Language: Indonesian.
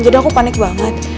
jadi aku panik banget